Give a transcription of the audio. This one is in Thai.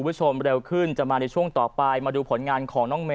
วันนี้จำานว่าตัวต่อกันจะมาในช่วงต่อไปมาดูผลงานของน้องเม